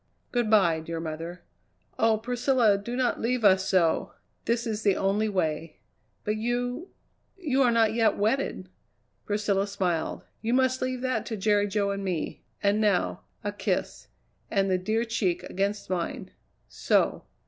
"Good bye, dear mother." "Oh, Priscilla! Do not leave us so!" "This is the only way." "But, you you are not yet wedded." Priscilla smiled. "You must leave that to Jerry Jo and me. And now a kiss and the dear cheek against mine. So!"